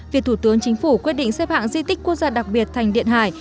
việc thủ tướng chính phủ quyết định xếp hạng di tích quốc gia đặc biệt thành điện hải